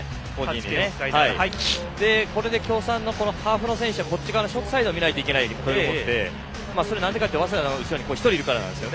これで京産のハーフの選手はショートサイドを見ないといけないということでそれはなぜかというと早稲田の後ろに１人いるからなんですよね。